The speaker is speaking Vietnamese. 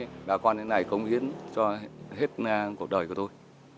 bà con thế này cống hiến cho hết cuộc đời của tôi